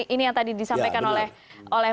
ini yang tadi disampaikan oleh